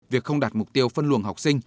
việc không đạt mục tiêu phân luồng học sinh